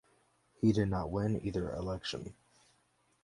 He did not win either election.